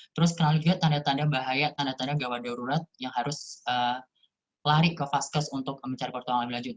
terus kenal juga tanda tanda bahaya tanda tanda gawat darurat yang harus lari ke vaskes untuk mencari potongan lebih lanjut